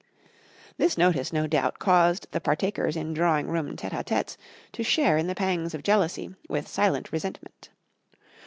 This notice, no doubt, caused the partakers in drawing room tetè a tetès to share in the pangs of jealousy, with silent resentment.